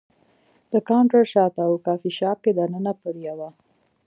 د کاونټر شاته و، کافي شاپ کې دننه پر یوه.